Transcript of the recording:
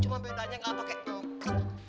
cuman bedanya gak apa kayak nyokap